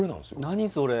何それ？